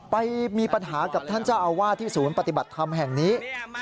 ไปมีปัญหากับท่านเจ้าอาวาสที่ศูนย์ปฏิบัติธรรมแห่งนี้